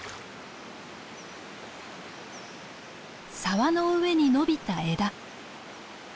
沢の上に伸びた枝。